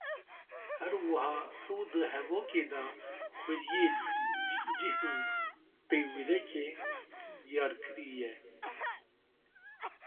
Her wiha ew di hevokê de xwedîyê cih û peywireke diyarkirî ye.